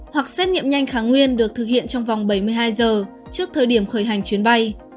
hoặc xét nghiệm nhanh kháng nguyên được thực hiện trong vòng bảy mươi hai giờ trước thời điểm khởi hành chuyến bay